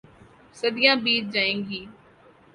صدیاں بیت جائیں گی۔